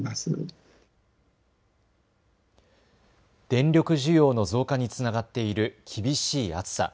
電力需要の増加につながっている厳しい暑さ。